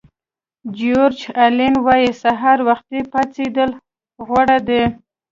جیورج الین وایي سهار وختي پاڅېدل غوره دي.